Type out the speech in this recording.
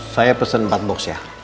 saya pesan empat box ya